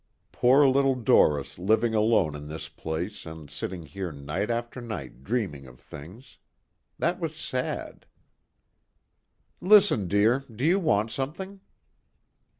Poor little Doris living alone in this place and sitting here night after night dreaming of things. That was sad. "Listen dear, do you want something?"